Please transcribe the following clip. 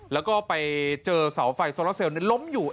แล้วก็ไปเจอเสาไฟโซลาเซลลล้มอยู่